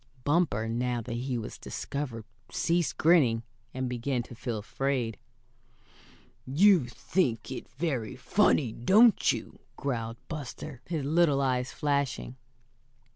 Bumper, now that he was discovered, ceased grinning, and began to feel afraid. "You think it very funny, don't you?" growled Buster, his little eyes flashing.